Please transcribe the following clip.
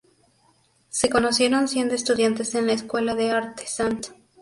Se conocieron siendo estudiantes en la escuela de arte St.